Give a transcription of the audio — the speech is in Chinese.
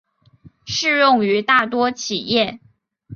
适用于大多企业。